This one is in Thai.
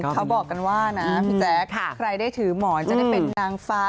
เขาบอกกันว่านะพี่แจ๊คใครได้ถือหมอนจะได้เป็นนางฟ้า